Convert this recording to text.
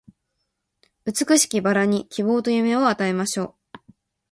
美しき薔薇に希望と夢を与えましょう